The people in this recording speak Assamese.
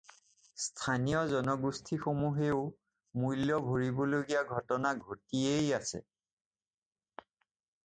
স্থানীয় জনগোষ্ঠীসমূহেও মূল্য ভৰিবলগীয়া ঘটনা ঘটিয়েই আছে।